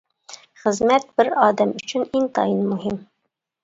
خىزمەت بىر ئادەم ئۈچۈن ئىنتايىن مۇھىم.